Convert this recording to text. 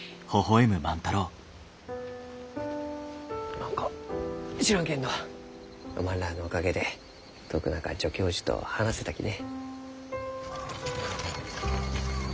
何か知らんけんどおまんらのおかげで徳永助教授と話せたきね。